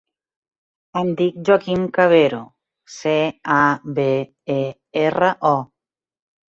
Em dic Joaquín Cabero: ce, a, be, e, erra, o.